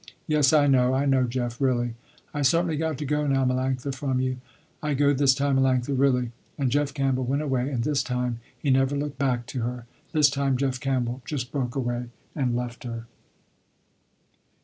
"Yes, I know, I know Jeff, really." "I certainly got to go now Melanctha, from you. I go this time, Melanctha really," and Jeff Campbell went away and this time he never looked back to her. This time Jeff Campbell just broke away and left her.